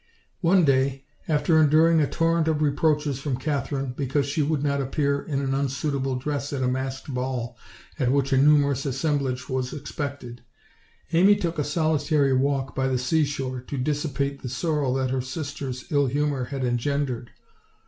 One day, after enduring a torrent of reproaches from Katherine, because she would not appear in an unsuitable dress at a masked ball at which a numerous assemblage was expected, Amy took a solitary walk by the seashore to dissipate the sorrow that her sister's ill humor had engendered.